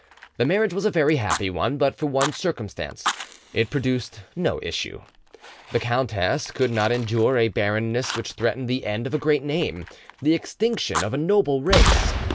The marriage was a very happy one but for one circumstance—it produced no issue. The countess could not endure a barrenness which threatened the end of a great name, the extinction of a noble race.